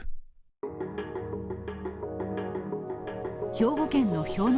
兵庫県の氷ノ